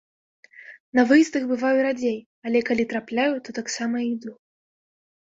На выездах бываю радзей, але калі трапляю, то таксама іду.